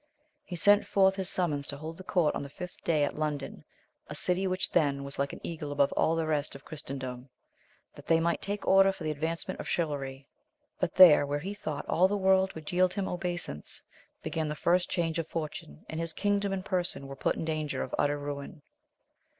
He sent forth his summons to hold the court on the fifth day at London, a city which then was like an eagle above all the rest of Christen dom, that they might take order for the advancement of chivalry; but there, where he thought all the world would jdeld him obeisance, began the first change of fortune, and his kingdom and person were put in danger of utter ruin.